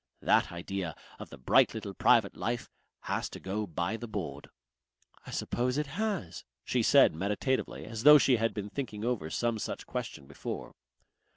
That idea of the bright little private life has to go by the board." "I suppose it has," she said, meditatively, as though she had been thinking over some such question before.